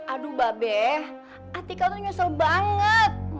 aduh mba be atika tuh nyusel banget